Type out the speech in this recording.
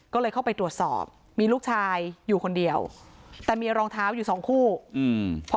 ก็เลยเข้าไปตรวจสอบมีลูกชายอยู่คนเดียวแต่มีรองเท้าอยู่สองคู่อืม